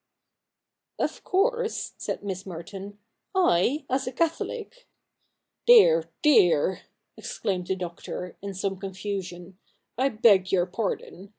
' Of course,' said Miss Merton, ' I, as a Catholic '' Dear ! dear !' exclaimed the Doctor, in some con fusion, ' I beg your pardon.